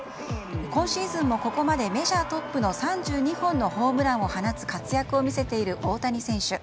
今シーズンもここまでメジャートップの３２本のホームランを放つ活躍を見せている大谷選手。